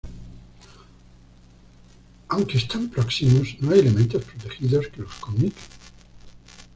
Aunque están próximos, no hay elementos protegidos que los comuniquen.